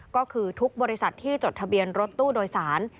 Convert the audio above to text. ก็คือทุกบริษัทที่จดทะเบียนรถตู้โดยสาร